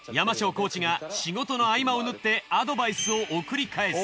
コーチが仕事の合間をぬってアドバイスを送り返す。